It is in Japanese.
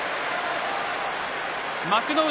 幕内